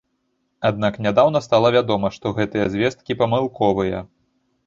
Аднак нядаўна стала вядома, што гэтыя звесткі памылковыя.